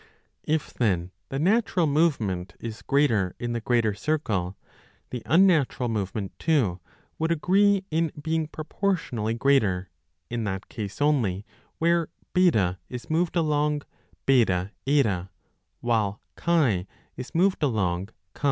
If, then, the ro natural movement is greater in the greater circle, the unnatural movement, too, would agree in being propor tionally greater l in that case only, where B is moved along BH while X is moved along X0.